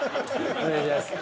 お願いします。